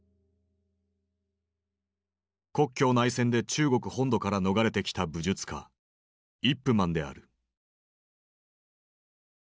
国共内戦で中国本土から逃れてきた武術家イップ・マンである。